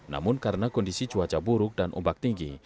namun karena kondisi cuaca buruk dan ombak tinggi